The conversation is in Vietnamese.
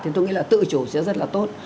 thì tôi nghĩ là tự chủ sẽ rất là tốt